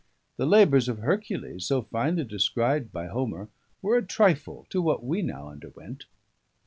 The labours of Hercules, so finely described by Homer, were a trifle to what we now underwent.